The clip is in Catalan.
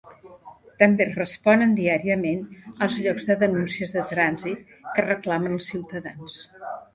També responen diàriament als llocs de denúncies de trànsit que reclamen els ciutadans.